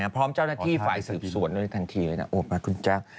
พร้อมเจ้าหน้าที่ฝ่ายสืบสวนเลยทันทีโอ้มากคุณจักร